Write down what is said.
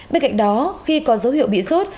bên cạnh đó khi có dấu hiệu bị sốt